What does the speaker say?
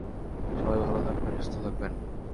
সবাই ভালো থাকবেন, সুস্থ থাকবেন।